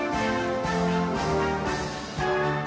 สุดท้าย